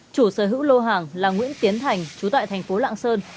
chủ sở hữu lô hàng là nguyễn tiến thành chú tại thành phố lạng sơn